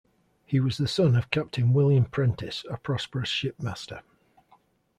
He was the son of Captain William Prentiss a prosperous shipmaster.